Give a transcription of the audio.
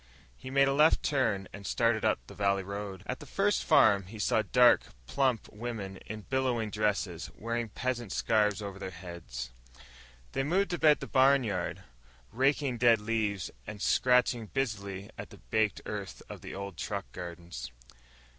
He made a left turn and started up the valley road. At the first farm he saw dark, plump women in billowing dresses, wearing peasant scarves over their heads. They moved about the barnyard, raking dead leaves and scratching busily at the baked earth of the old truck gardens.